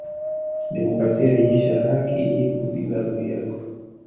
Demokrasia rejesha haki ili kumpiga adui yao